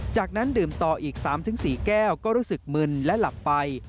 จากนั้นดื่มต่ออีก๓๔แก้วก็รู้สึกมึนและหลับไป